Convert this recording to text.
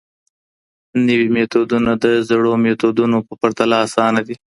نوي میتودونه د زړو میتودونو په پرتله اسانه دي.